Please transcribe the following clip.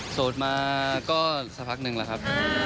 โสดมาก็สักพักหนึ่งแล้วครับ